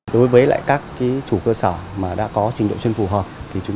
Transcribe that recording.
đối với các chủ cơ sở đã có trình độ chuyên phù hợp